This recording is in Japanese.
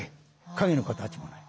影も形もない。